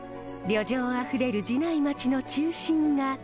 旅情あふれる寺内町の中心が。